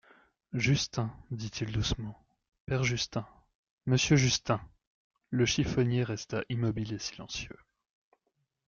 Justin, dit-il doucement, père Justin … monsieur Justin ! Le chiffonnier resta immobile et silencieux.